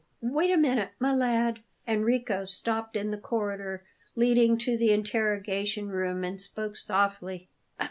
"Wait a minute, my lad." Enrico stopped in the corridor leading to the interrogation room, and spoke softly.